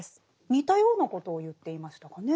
似たようなことを言っていましたかね。